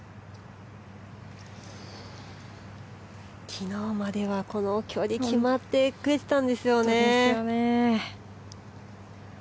昨日までは、この距離決まってくれてたんですよね。